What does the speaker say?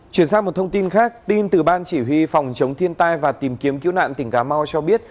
chuyển sang một thông tin khác tin từ ban chỉ huy phòng chống thiên tai và tìm kiếm cứu nạn tỉnh cà mau cho biết